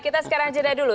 kita sekarang jeda dulu